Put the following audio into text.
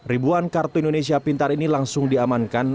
ribuan kartu indonesia pintar ini langsung diamankan